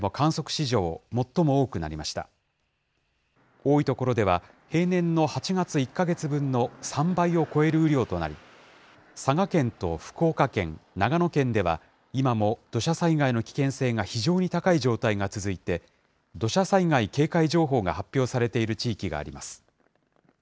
多い所では、平年の８月１か月分の３倍を超える雨量となり、佐賀県と福岡県、長野県では、今も土砂災害の危険性が非常に高い状態が続いて、土砂災害警戒情報が発表されている地域があります。